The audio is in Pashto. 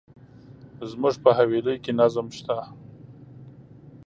زموږ په حویلی کي نظم شته.